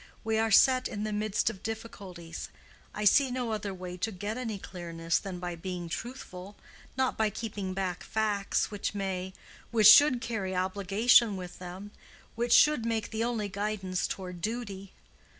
We are set in the midst of difficulties. I see no other way to get any clearness than by being truthful—not by keeping back facts which may—which should carry obligation within them—which should make the only guidance toward duty.